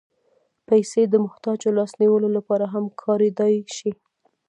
پېسې د محتاجو لاس نیولو لپاره هم کارېدای شي.